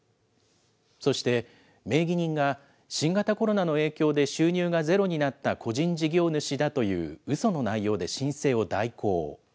そして、名義人が新型コロナの影響で収入がゼロになった個人事業主だといううその内容で申請を代行。